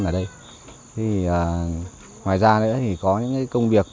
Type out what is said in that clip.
ngoài ra nữa thì có những công việc mà cần giải quyết thì ông cũng rất là nhiệt tình giúp đỡ